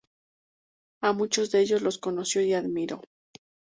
A muchos de ellos los conoció y admiró.